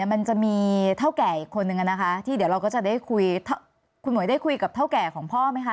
มันจะมีเท่าแก่อีกคนนึงนะคะที่เดี๋ยวเราก็จะได้คุยคุณหมวยได้คุยกับเท่าแก่ของพ่อไหมคะ